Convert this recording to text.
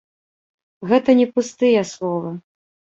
Гэта не пустыя словы.